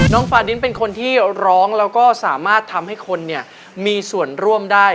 ฟาดินเป็นคนที่ร้องแล้วก็สามารถทำให้คนเนี่ยมีส่วนร่วมได้